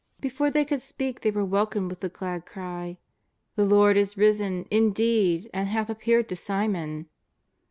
Before they could speak they were welcomed with the glad cry: " The Lord is risen, indeed, and hath appeared to Simon